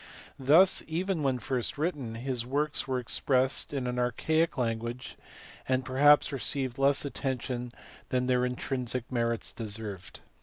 Thus, even when first written, his works were expressed in an archaic language, and perhaps received less attention than their intrinsic merits deserved.